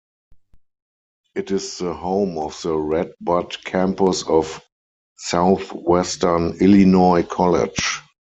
It is the home of the Red Bud campus of Southwestern Illinois College.